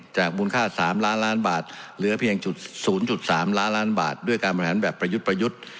จากมูลค่าสามล้านล้านบาทเหลือเพียงจุดศูนย์จุดสามล้านล้านบาทด้วยการมาหางานแบบประยุทธ์ประยุทธ์